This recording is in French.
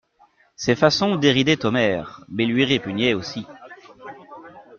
Ces façons déridaient Omer, mais lui répugnaient aussi.